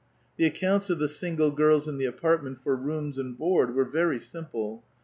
The accounts of the single girls in the apartment lor rooms and boai d were very sinii)le.